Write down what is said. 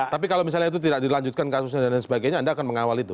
tapi kalau misalnya itu tidak dilanjutkan kasusnya dan lain sebagainya anda akan mengawal itu